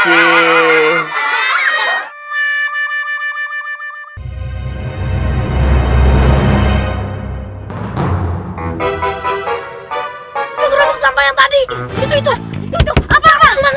itu rujuk sampah yang tadi